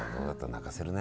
泣かせるね。